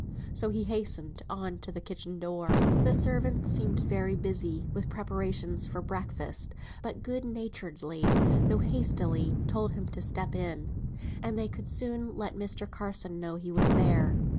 So he hastened on to the kitchen door. The servants seemed very busy with preparations for breakfast; but good naturedly, though hastily, told him to step in, and they could soon let Mr. Carson know he was there.